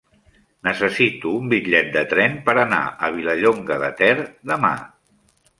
Necessito un bitllet de tren per anar a Vilallonga de Ter demà.